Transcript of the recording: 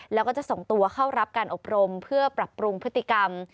แล้วก็จะส่งตัวเข้ารับการอบรมเพื่อปรับปรุงพฤติกรรม